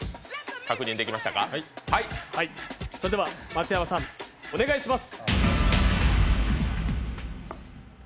それでは松山さん、お願いします。